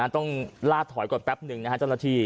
ต้องลาดถอยก่อนแป๊บหนึ่งนะฮะเจ้าหน้าที่